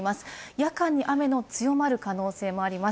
夜間に雨の強まる可能性もあります。